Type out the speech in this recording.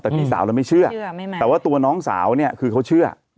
แต่พี่สาวเราไม่เชื่อแต่ว่าตัวน้องสาวเนี่ยคือเขาเชื่อ